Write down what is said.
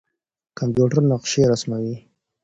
کمپيوټر نقشې رسموي.